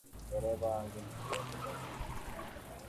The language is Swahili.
Dereva wangu ni kioo cha jamii.